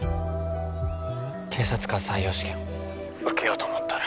警察官採用試験☎受けようと思っとる